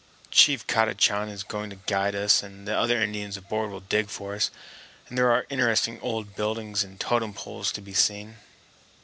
Chief Kadachan is going to guide us, and the other Indians aboard will dig for us, and there are interesting old buildings and totem poles to be seen."